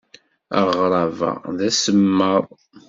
Aɣrab-a d asemmaḍ.